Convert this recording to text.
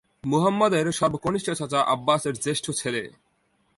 মুহাম্মাদের সর্বকনিষ্ঠ চাচা আব্বাসের জ্যেষ্ঠ ছেলে।